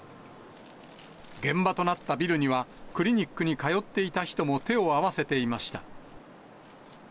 現場となったビルには、クリニックに通っていた人も手を合わせていました。